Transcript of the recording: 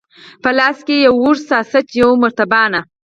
په لاس کې یې یو اوږد ساسیج، یوه مرتبانه.